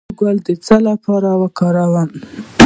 د ګازرې ګل د څه لپاره وکاروم؟